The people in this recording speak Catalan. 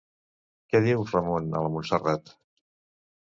Què diu Ramon a la Montserrat?